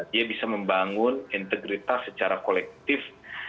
dia bisa membangun integritas secara kolektif